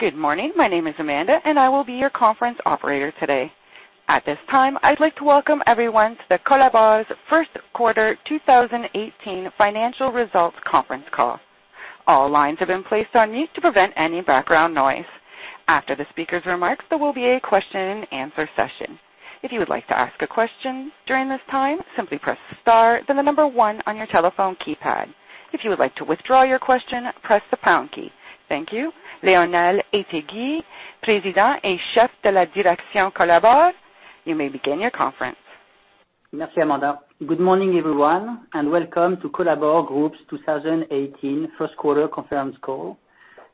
Good morning. My name is Amanda, and I will be your conference operator today. At this time, I'd like to welcome everyone to Colabor's first quarter 2018 financial results conference call. All lines have been placed on mute to prevent any background noise. After the speaker's remarks, there will be a question and answer session. If you would like to ask a question during this time, simply press star then the number one on your telephone keypad. If you would like to withdraw your question, press the pound key. Thank you. Lionel Ettedgui, President and Chef de la Direction, Colabor, you may begin your conference. Merci, Amanda. Good morning, everyone, and welcome to Colabor Group's 2018 first quarter conference call.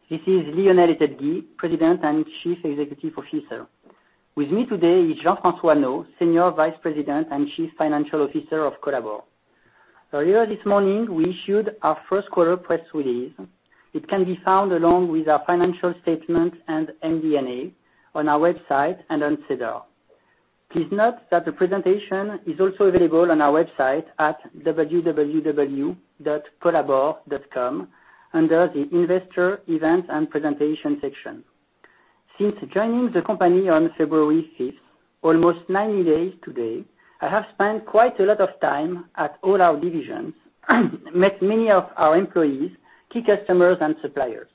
This is Lionel Ettedgui, President and Chief Executive Officer. With me today is Jean-François Neault, Senior Vice President and Chief Financial Officer of Colabor. Earlier this morning, we issued our first quarter press release. It can be found along with our financial statement and MD&A on our website and on SEDAR. Please note that the presentation is also available on our website at www.colabor.com under the Investor Events and Presentation section. Since joining the company on February 5th, almost 90 days today, I have spent quite a lot of time at all our divisions, met many of our employees, key customers, and suppliers.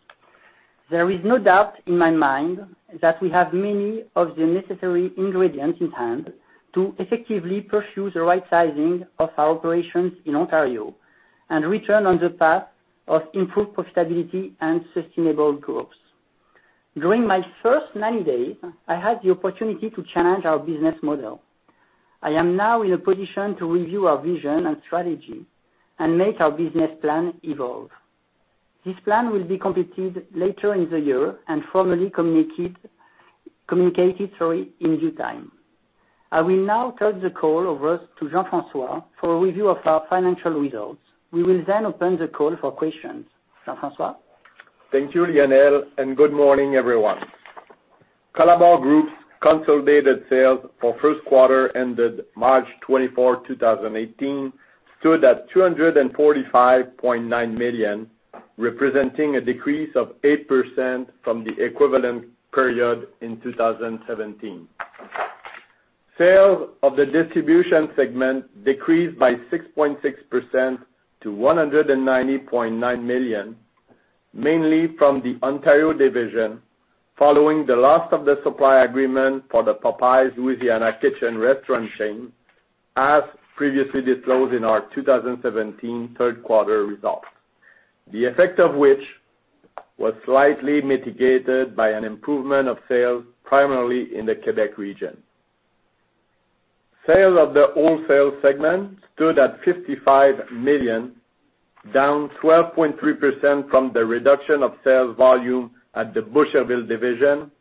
There is no doubt in my mind that we have many of the necessary ingredients in hand to effectively pursue the right sizing of our operations in Ontario and return on the path of improved profitability and sustainable growth. During my first 90 days, I had the opportunity to challenge our business model. I am now in a position to review our vision and strategy and make our business plan evolve. This plan will be completed later in the year and formally communicated through in due time. I will now turn the call over to Jean-François for a review of our financial results. We will then open the call for questions. Jean-François? Thank you, Lionel, and good morning, everyone. Colabor Group's consolidated sales for first quarter ended March 24th, 2018, stood at 245.9 million, representing a decrease of 8% from the equivalent period in 2017. Sales of the distribution segment decreased by 6.6% to 190.9 million, mainly from the Ontario division following the loss of the supply agreement for the Popeyes Louisiana Kitchen restaurant chain, as previously disclosed in our 2017 third quarter results, the effect of which was slightly mitigated by an improvement of sales primarily in the Quebec region. Sales of the wholesale segment stood at 55 million, down 12.3% from the reduction of sales volume at the Boucherville division.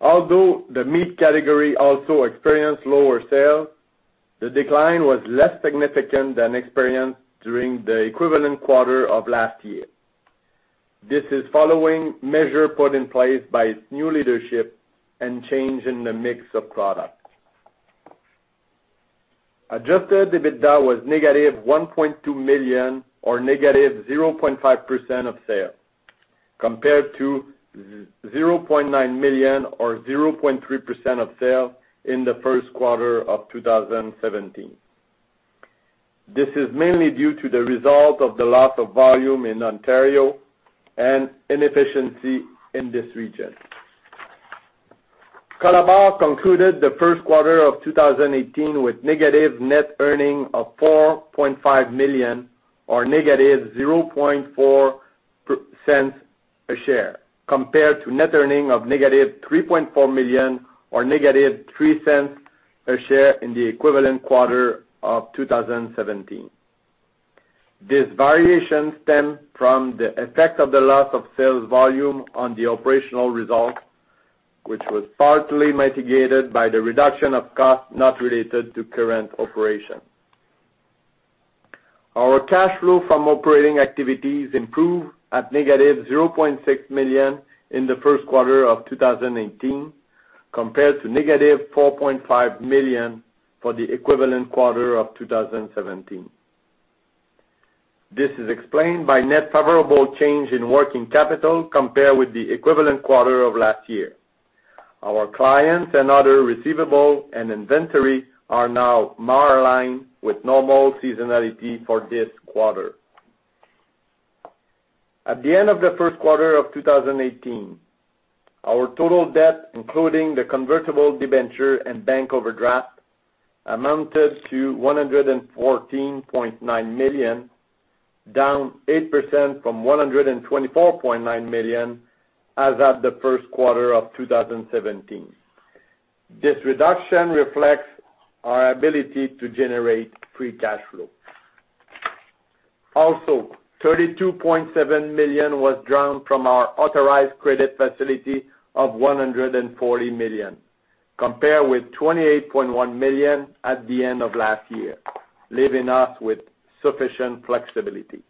Although the meat category also experienced lower sales, the decline was less significant than experienced during the equivalent quarter of last year. This is following measure put in place by its new leadership and change in the mix of product. Adjusted EBITDA was negative 1.2 million or negative 0.5% of sale, compared to 0.9 million or 0.3% of sale in the first quarter of 2017. This is mainly due to the result of the loss of volume in Ontario and inefficiency in this region. Colabor concluded the first quarter of 2018 with negative net earnings of 4.5 million or negative 0.004 a share compared to net earnings of negative 3.4 million or negative 0.03 a share in the equivalent quarter of 2017. This variation stemmed from the effect of the loss of sales volume on the operational results, which was partly mitigated by the reduction of costs not related to current operation. Our cash flow from operating activities improved at negative 0.6 million in the first quarter of 2018 compared to negative 4.5 million for the equivalent quarter of 2017. This is explained by net favorable change in working capital compared with the equivalent quarter of last year. Our clients and other receivable and inventory are now more aligned with normal seasonality for this quarter. At the end of the first quarter of 2018, our total debt, including the convertible debenture and bank overdraft, amounted to 114.9 million, down 8% from 124.9 million as at the first quarter of 2017. This reduction reflects our ability to generate free cash flow. 32.7 million was drawn from our authorized credit facility of 140 million, compared with 28.1 million at the end of last year, leaving us with sufficient flexibility.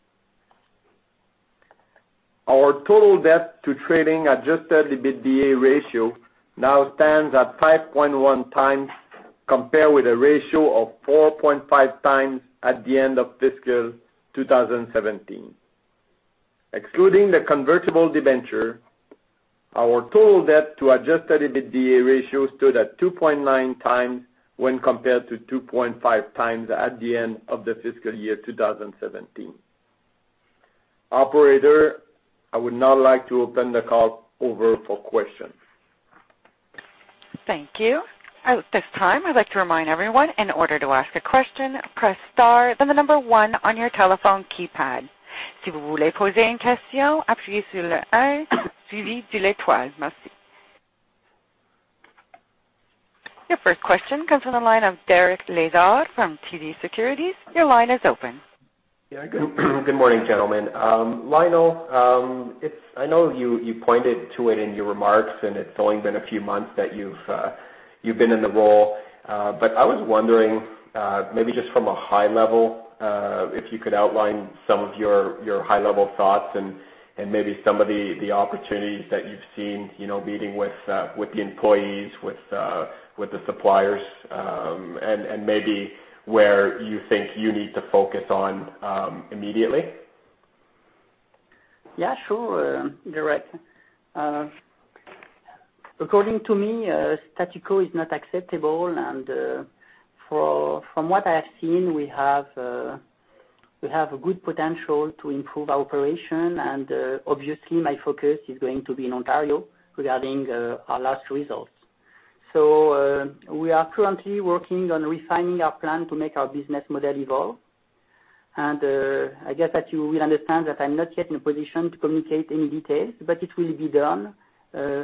Our total debt to trading adjusted EBITDA ratio now stands at 5.1 times Compared with a ratio of 4.5 times at the end of fiscal 2017. Excluding the convertible debenture, our total debt to adjusted EBITDA ratio stood at 2.9 times when compared to 2.5 times at the end of the fiscal year 2017. Operator, I would now like to open the call over for questions. Thank you. At this time, I'd like to remind everyone, in order to ask a question, press star then the number one on your telephone keypad. If you want to ask a question, press star then number one. Thank you. Your first question comes from the line of Derek Lessard from TD Securities. Your line is open. Yeah. Good morning, gentlemen. Lionel, I know you pointed to it in your remarks, it's only been a few months that you've been in the role. I was wondering, maybe just from a high level, if you could outline some of your high-level thoughts and maybe some of the opportunities that you've seen meeting with the employees, with the suppliers, and maybe where you think you need to focus on immediately. Yeah, sure, Derek. According to me, status quo is not acceptable, from what I have seen, we have a good potential to improve our operation. Obviously my focus is going to be in Ontario regarding our last results. We are currently working on refining our plan to make our business model evolve. I get that you will understand that I'm not yet in a position to communicate any details, but it will be done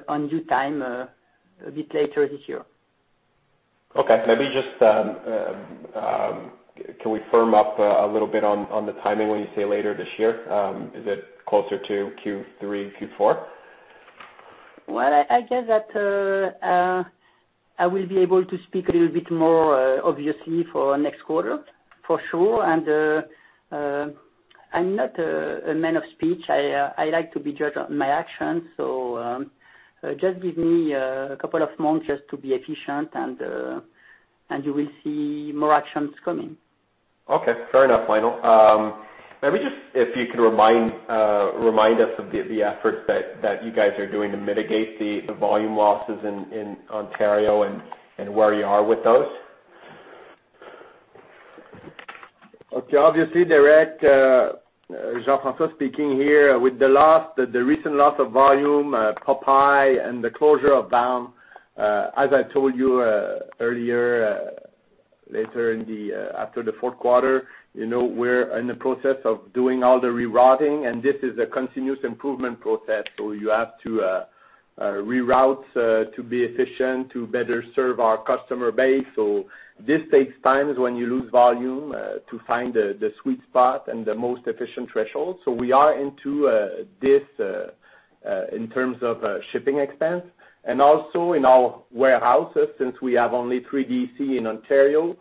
on due time a bit later this year. Okay. Can we firm up a little bit on the timing when you say later this year? Is it closer to Q3, Q4? Well, I guess that I will be able to speak a little bit more, obviously, for next quarter, for sure. I'm not a man of speech. I like to be judged on my actions, just give me a couple of months just to be efficient and you will see more actions coming. Okay. Fair enough, Lionel. Maybe just if you could remind us of the efforts that you guys are doing to mitigate the volume losses in Ontario and where you are with those. Okay. Obviously, Derek, Jean-François Neault speaking here. With the recent loss of volume, Popeyes and the closure of Bâton Rouge, as I told you earlier, later after the Q4, we're in the process of doing all the rerouting. This is a continuous improvement process. You have to reroute to be efficient to better serve our customer base. This takes time when you lose volume, to find the sweet spot and the most efficient threshold. We are into this in terms of shipping expense. Also in our warehouses, since we have only 3 DC in Ontario,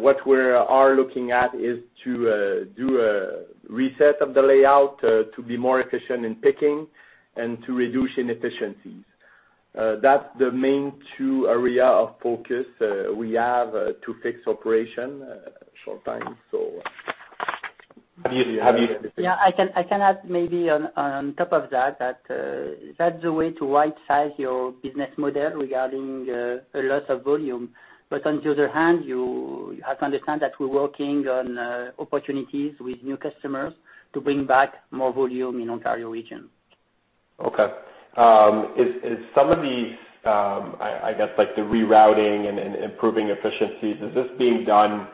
what we are looking at is to do a reset of the layout to be more efficient in picking and to reduce inefficiencies. That's the main two area of focus we have to fix operation short time. Have you- Yeah, I can add maybe on top of that that's the way to right-size your business model regarding a loss of volume. On the other hand, you have to understand that we're working on opportunities with new customers to bring back more volume in Ontario region. Okay. Is some of these, I guess like the rerouting and improving efficiencies, is this being done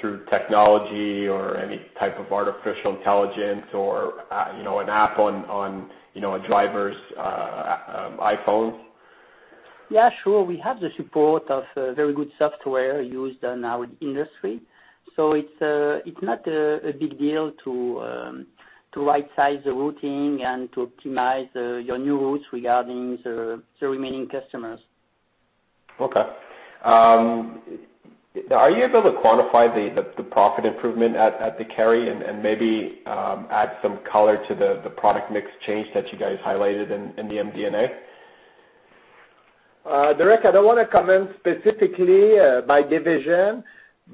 through technology or any type of artificial intelligence or an app on a driver's iPhone? Yeah, sure. We have the support of very good software used in our industry. It's not a big deal to right-size the routing and to optimize your new routes regarding the remaining customers. Okay. Are you able to quantify the profit improvement at Décarie and maybe add some color to the product mix change that you guys highlighted in the MD&A? Derek, I don't want to comment specifically by division.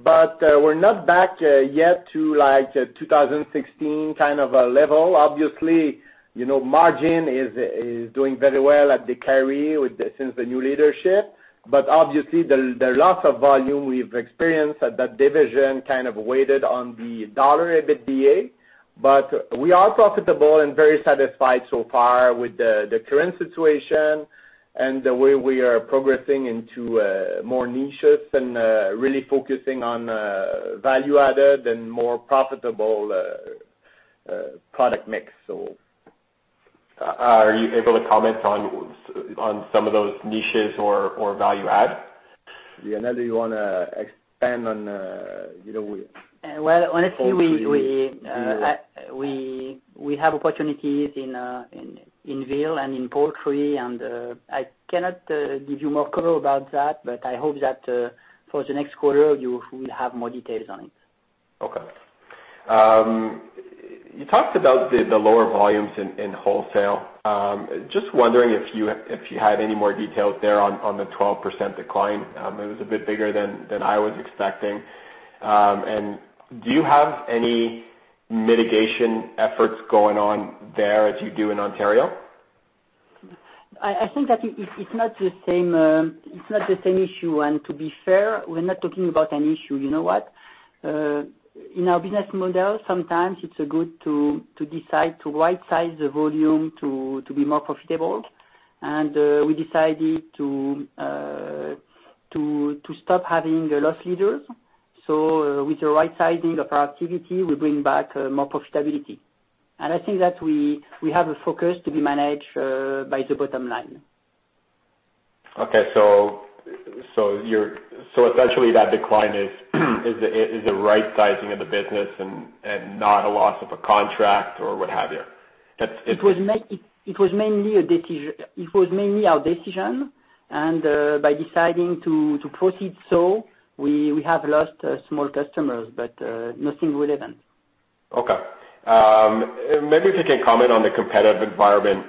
We're not back yet to 2016 kind of a level. Obviously, margin is doing very well at Décarie since the new leadership. Obviously the loss of volume we've experienced at that division kind of weighted on the dollar EBITDA. We are profitable and very satisfied so far with the current situation and the way we are progressing into more niches and really focusing on value-added and more profitable product mix. Are you able to comment on some of those niches or value add? Lionel, do you want to expand on? Well, honestly, we have opportunities in veal and in poultry and I cannot give you more color about that, but I hope that for the next quarter you will have more details on it. Okay. You talked about the lower volumes in wholesale. I'm just wondering if you had any more details there on the 12% decline. It was a bit bigger than I was expecting. Do you have any mitigation efforts going on there as you do in Ontario? I think that it's not the same issue. To be fair, we're not talking about an issue. You know what? In our business model, sometimes it's good to decide to right-size the volume to be more profitable. We decided to stop having loss leaders. With the right-sizing of our activity, we bring back more profitability. I think that we have a focus to be managed by the bottom line. Okay. Essentially that decline is the right-sizing of the business and not a loss of a contract or what have you? It was mainly our decision, by deciding to proceed so, we have lost small customers, nothing relevant. Okay. Maybe if you can comment on the competitive environment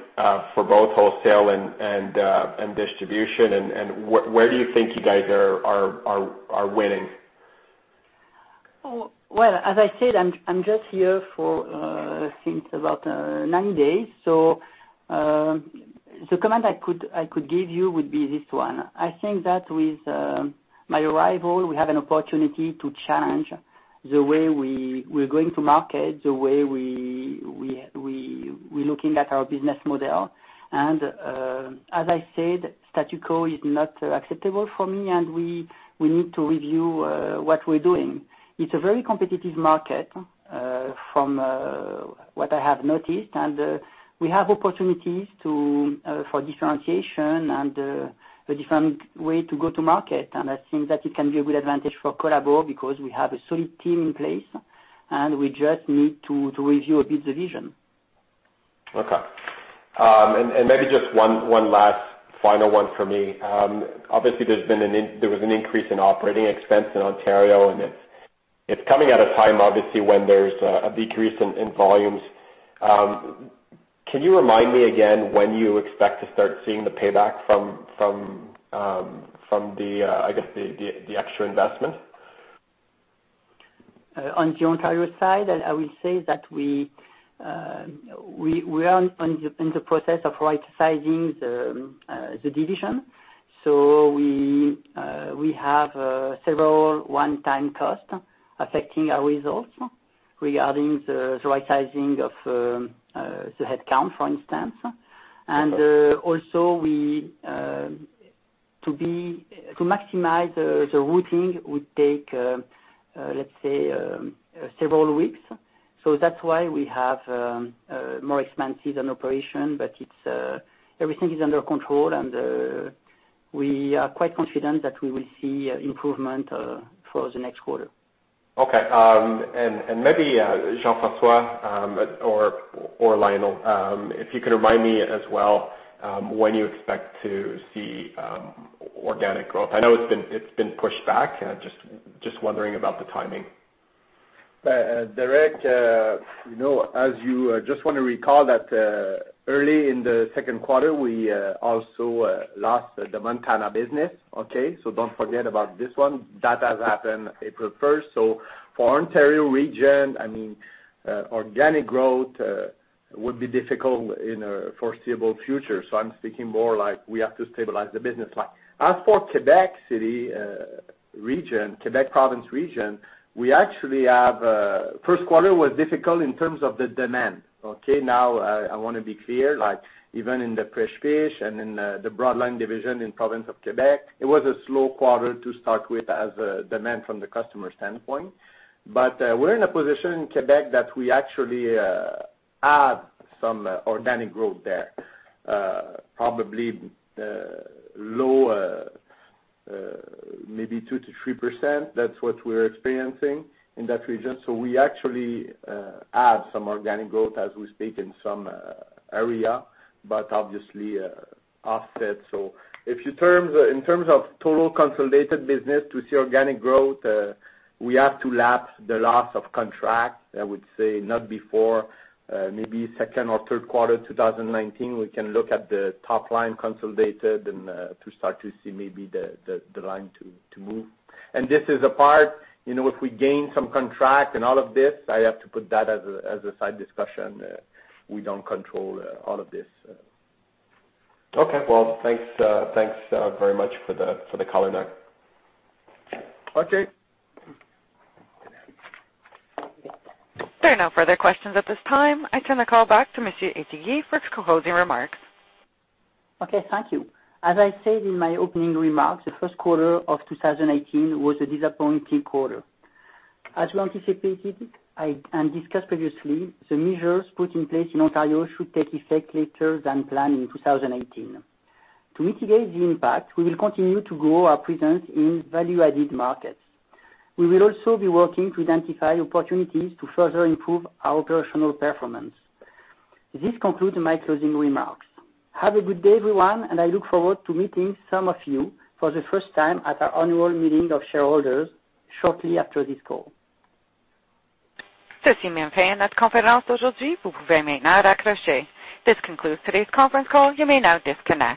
for both wholesale and distribution, where do you think you guys are winning? Well, as I said, I'm just here for since about nine days. The comment I could give you would be this one. I think that with my arrival, we have an opportunity to challenge the way we're going to market, the way we're looking at our business model. As I said, status quo is not acceptable for me, and we need to review what we're doing. It's a very competitive market, from what I have noticed, and we have opportunities for differentiation and a different way to go to market. I think that it can be a good advantage for Colabor because we have a solid team in place, and we just need to review a bit the vision. Okay. Maybe just one last final one for me. Obviously, there was an increase in operating expense in Ontario, and it's coming at a time, obviously, when there's a decrease in volumes. Can you remind me again when you expect to start seeing the payback from, I guess, the extra investment? On the Ontario side, I will say that we are in the process of right-sizing the division. We have several one-time cost affecting our results regarding the right-sizing of the headcount, for instance. Okay. Also to maximize the routing would take, let's say, several weeks. That's why we have more expenses on operation, but everything is under control, and we are quite confident that we will see improvement for the next quarter. Okay. Maybe Jean-François or Lionel, if you could remind me as well, when you expect to see organic growth. I know it's been pushed back. Just wondering about the timing. Derek, as you just want to recall that early in the second quarter, we also lost the Montana's business, okay? Don't forget about this one. That has happened April 1st. For Ontario region, organic growth would be difficult in foreseeable future. I'm speaking more like we have to stabilize the business. As for Quebec city region, Quebec province region, first quarter was difficult in terms of the demand. Okay? I want to be clear, even in the fresh fish and in the broad line division in province of Quebec, it was a slow quarter to start with as a demand from the customer standpoint. We're in a position in Quebec that we actually have some organic growth there. Probably low, maybe 2%-3%. That's what we're experiencing in that region. We actually have some organic growth as we speak in some area, but obviously offset. In terms of total consolidated business to see organic growth, we have to lap the loss of contract. I would say not before maybe second or third quarter 2019, we can look at the top line consolidated and to start to see maybe the line to move. This is a part, if we gain some contract and all of this, I have to put that as a side discussion. We don't control all of this. Okay. Well, thanks very much for the color, Neault. Okay. There are no further questions at this time. I turn the call back to Mr. Ettedgui for his closing remarks. Okay. Thank you. As I said in my opening remarks, the first quarter of 2018 was a disappointing quarter. As we anticipated and discussed previously, the measures put in place in Ontario should take effect later than planned in 2018. To mitigate the impact, we will continue to grow our presence in value-added markets. We will also be working to identify opportunities to further improve our operational performance. This concludes my closing remarks. Have a good day, everyone, and I look forward to meeting some of you for the first time at our annual meeting of shareholders shortly after this call. This concludes today's conference call. You may now disconnect.